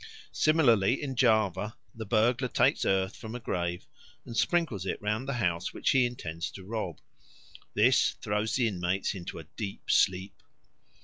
Similarly, in Java the burglar takes earth from a grave and sprinkles it round the house which he intends to rob; this throws the inmates into a deep sleep.